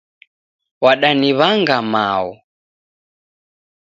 Wadaniw'anga mao.